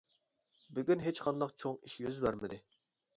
بۈگۈن ھېچقانداق چوڭ ئىش يۈز بەرمىدى.